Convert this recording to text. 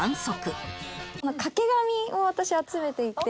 掛け紙を私集めていて。